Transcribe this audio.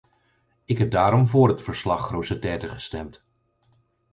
Ik heb daarom voor het verslag-Grossetête gestemd.